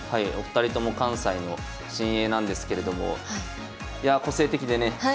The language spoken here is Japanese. お二人とも関西の新鋭なんですけれどもいやあ個性的でね